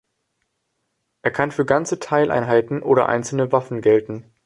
Er kann für ganze Teileinheiten oder einzelne Waffen gelten.